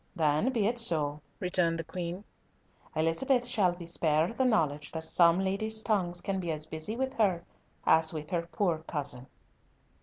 "Then be it so," returned the Queen. "Elizabeth shall be spared the knowledge that some ladies' tongues can be as busy with her as with her poor cousin."